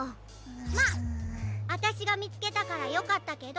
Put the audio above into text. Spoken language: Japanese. まああたしがみつけたからよかったけど。